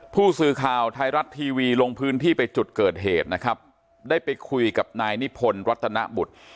ผู้สื่อข่าวไทยรัฐทีวีลงพื้นที่ไปจุดเกิดเหตุนะครับได้ไปคุยกับนายนิพนธ์รัตนบุตร